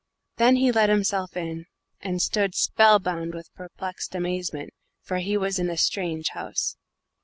Then he let himself in, and stood spellbound with perplexed amazement, for he was in a strange house.